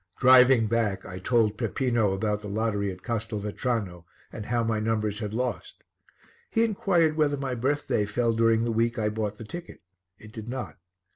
Driving back, I told Peppino about the lottery at Castelvetrano and how my numbers had lost. He inquired whether my birthday fell during the week I bought the ticket. It did not.